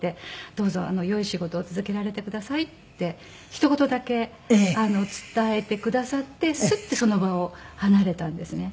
「どうぞ良い仕事を続けられてください」ってひと言だけ伝えてくださってスッてその場を離れたんですね。